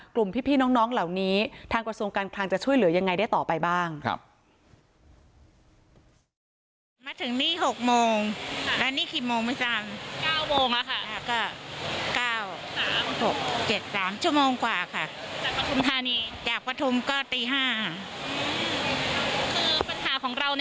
พี่น้องเหล่านี้ทางกระทรวงการคลังจะช่วยเหลือยังไงได้ต่อไปบ้าง